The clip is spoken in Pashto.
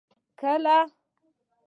کله.